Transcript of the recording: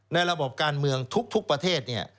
ระบบการเมืองทุกประเทศเนี่ย